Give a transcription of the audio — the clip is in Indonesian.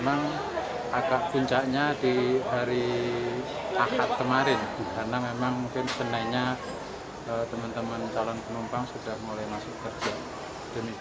pihak pt kai daerah operasional lima purwokerto meminta calon penumpang untuk melakukan tes rapid antigen sehari sebelum keberangkatan